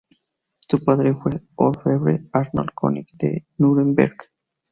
Su padre fue el orfebre Arnold König de Núremberg.